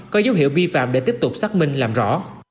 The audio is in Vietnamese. có dấu hiệu vi phạm để tiếp tục xác minh làm rõ